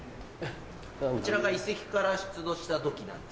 こちらが遺跡から出土した土器なんです。